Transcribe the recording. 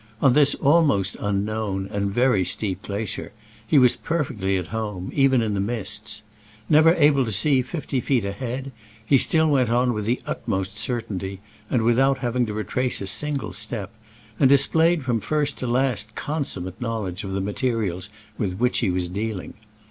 On this almost unknown and very steep glacier he was perfectly at home, even in the mists. Never able to see fifty feet ahead, he still went on with the utmost certainty and without having to retrace a single step, and displayed from first to last consummate knowledge of the materials with which he was dealing.